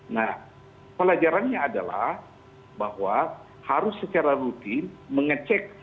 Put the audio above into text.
nah pelajarannya adalah bahwa harus secara rutin mengecek